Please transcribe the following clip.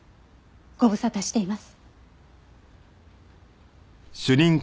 ご無沙汰しています。